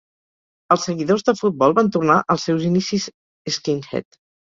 Els seguidors de futbol van tornar als seus inicis skinhead.